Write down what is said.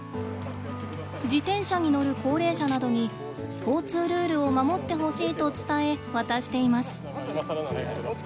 自転車に乗る高齢者などに交通ルールを守ってほしいと伝え渡しています。